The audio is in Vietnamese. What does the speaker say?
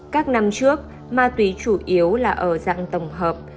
các năm trước ma túy chủ yếu là ở dạng tổng hợp